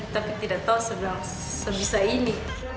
tapi tidak tahu sebelum sebesar ini